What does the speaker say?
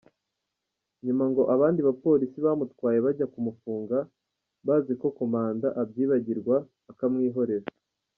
Nyuma ngo abandi bapolisi bamutwaye bajya kumufunga, bazi ko Komanda abyibagirwa akamwihorera.